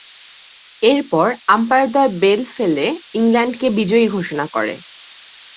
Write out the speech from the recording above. এরপর আম্পায়ারদ্বয় বেল ফেলে ইংল্যান্ডকে বিজয়ী ঘোষণা করে।